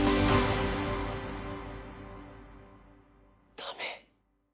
ダメ？